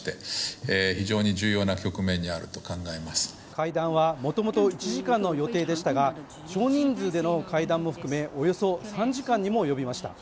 会談は、もともと１時間の予定でしたが少人数での会談も含めおよそ３時間にも及びました。